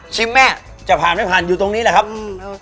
แม่จะผ่านไม่ผ่านอยู่ตรงนี้แหละครับอืม